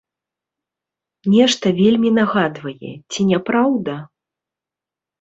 Нешта вельмі нагадвае, ці не праўда?